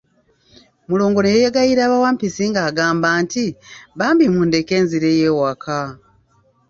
Mulongo ne yeegayirira bawampisi ng'agamba nti, bambi mundeke nzireyo ewaka.